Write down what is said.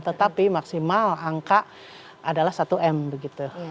tetapi maksimal angka adalah satu m begitu